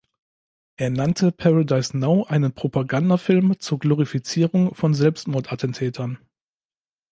Er nannte "Paradise Now" einen „Propagandafilm zur Glorifizierung von Selbstmordattentätern“.